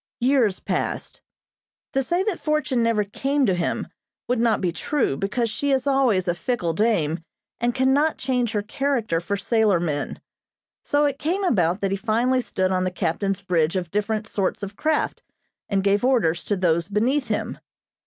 Years passed. To say that fortune never came to him would not be true, because she is always a fickle dame, and cannot change her character for sailor men. So it came about that he finally stood on the captain's bridge of different sorts of craft, and gave orders to those beneath him.